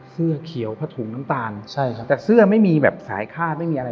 เสื้อเขียวผ้าถุงน้ำตาลใช่ครับแต่เสื้อไม่มีแบบสายคาดไม่มีอะไร